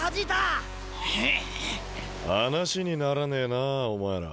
話にならねえなお前ら。